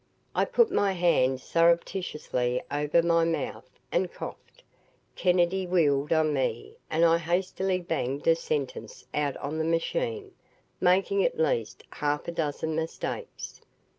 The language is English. I put my hand surreptitiously over my mouth and coughed. Kennedy wheeled on me and I hastily banged a sentence out on the machine, making at least half a dozen mistakes.